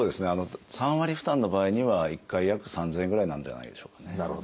３割負担の場合には１回約３，０００円ぐらいなんじゃないでしょうかね。